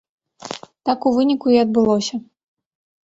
Так у выніку і адбылося.